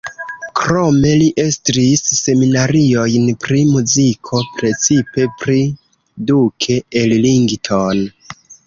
Krome li estris seminariojn pri muziko, precipe pri Duke Ellington.